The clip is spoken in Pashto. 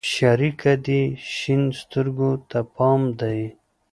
شريکه دې شين سترگو ته پام دى؟